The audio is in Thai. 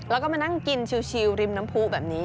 แล้วก็มานั่งกินชิลริมน้ำผู้แบบนี้